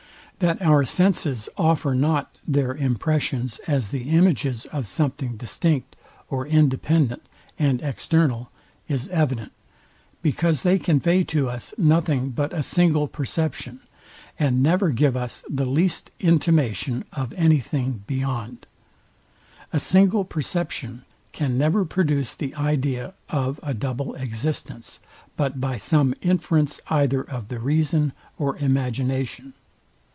That our senses offer not their impressions as the images of something distinct, or independent, and external, is evident; because they convey to us nothing but a single perception, and never give us the least intimation of any thing beyond. A single perception can never produce the idea of a double existence, but by some inference either of the reason or imagination.